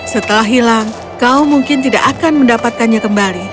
setelah hilang kau mungkin tidak akan mendapatkannya kembali